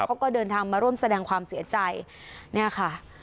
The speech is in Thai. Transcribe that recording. เขาก็เดินทางมาร่วมแสดงความเสียใจเนี่ยค่ะ